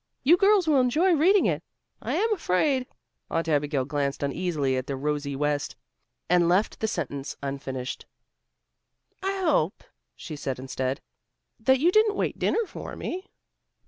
You girls will enjoy reading it. I am afraid " Aunt Abigail glanced uneasily at the rosy west, and left the sentence unfinished. "I hope," she said instead, "that you didn't wait dinner for me."